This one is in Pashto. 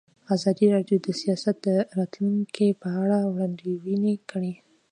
ازادي راډیو د سیاست د راتلونکې په اړه وړاندوینې کړې.